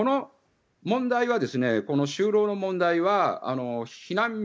この就労の問題は避難民